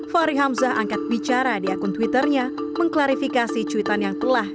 fahri hamzah angkat bicara di akun twitternya mengklarifikasi cuitan yang telah